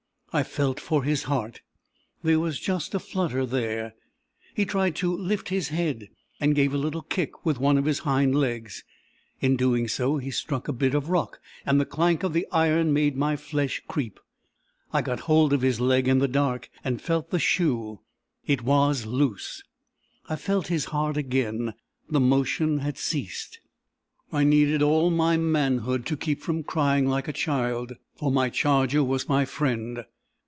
I felt for his heart. There was just a flutter there. He tried to lift his head, and gave a little kick with one of his hind legs. In doing so, he struck a bit of rock, and the clank of the iron made my flesh creep. I got hold of his leg in the dark, and felt the shoe. It was loose. I felt his heart again. The motion had ceased. I needed all my manhood to keep from crying like a child; for my charger was my friend.